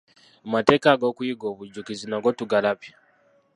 Amateeka ag'okuyiga obujjukizi nago tugalabye.